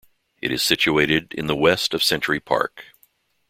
It is situated in the west of Century Park.